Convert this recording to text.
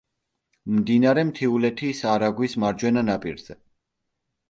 მდინარე მთიულეთის არაგვის მარჯვენა ნაპირზე.